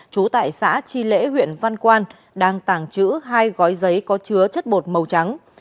trú tại xã chi lễ huyện văn quan đang tàng trữ hai gói giấy có chứa chất bột màu trắng